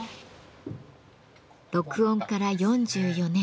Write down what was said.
録音から４４年。